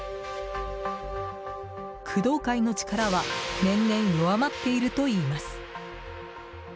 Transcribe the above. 工藤会の力は年々弱まっているといいます。